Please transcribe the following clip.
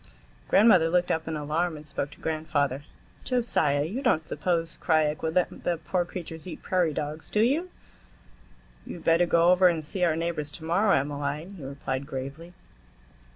Grandmother looked up in alarm and spoke to grandfather. "Josiah, you don't suppose Krajiek would let them poor creatures eat prairie dogs, do you?" "You had better go over and see our neighbors to morrow, Emmaline," he replied gravely.